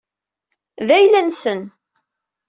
D ayla-nsen.